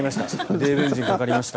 デーブエンジンかかりました。